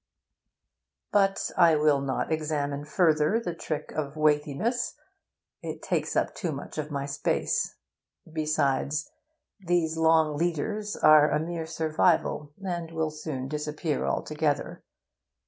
But I will not examine further the trick of weightiness it takes up too much of my space. Besides, these long 'leaders' are a mere survival, and will soon disappear altogether.